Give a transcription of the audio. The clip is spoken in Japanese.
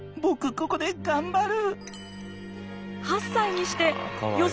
ここで頑張る。